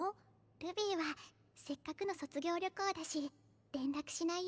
ルビィはせっかくの卒業旅行だし連絡しないようにしてたから。